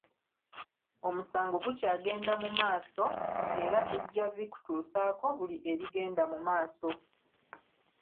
Omusango gukyagenda mu maaso, era tujja bikutuusaako buli ebigenda mu maaso.